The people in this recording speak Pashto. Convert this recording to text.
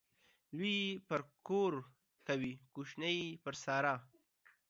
لوى يې پر کور کوي ، کوچنى يې پر سارا.